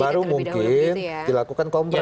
baru mungkin dilakukan kompres